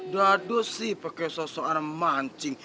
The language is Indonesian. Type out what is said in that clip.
dadu sih pakai seseorang mancing